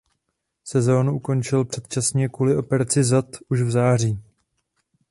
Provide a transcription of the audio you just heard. Sezónu ukončil předčasně kvůli operaci zad už v září.